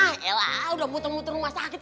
yalah udah muter muter rumah sakit